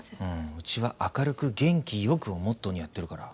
うちは「明るく元気よく」をモットーにやってるから。